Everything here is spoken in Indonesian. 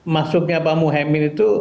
masuknya pak muhyemin itu